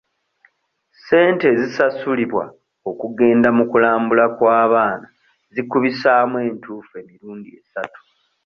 Ssente ezisasulibwa okugenda mu kulambula kw'abaana zikubisaamu entuufu emirundi esatu.